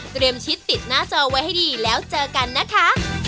ชิดติดหน้าจอไว้ให้ดีแล้วเจอกันนะคะ